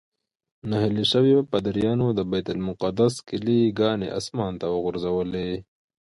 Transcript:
نهیلي شویو پادریانو د بیت المقدس کیلي ګانې اسمان ته وغورځولې.